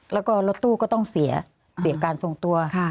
แล้วก็รถตู้ก็ต้องเสียการทรงตัว